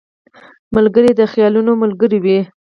ملګری د خیالونو ملګری وي